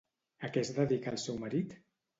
A què es va dedicar el seu marit?